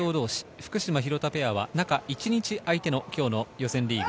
福島・廣田ペアは中一日空いての今日の予選リーグ。